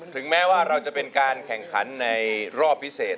แม้ว่าเราจะเป็นการแข่งขันในรอบพิเศษ